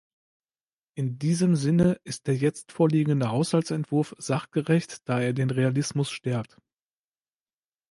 In diesem Sinne ist der jetzt vorliegende Haushaltsentwurf sachgerecht, da er den Realismus stärkt.